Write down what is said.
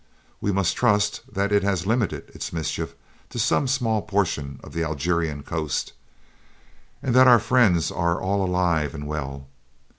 We must trust that it has limited its mischief to some small portion of the Algerian coast, and that our friends are all alive and well.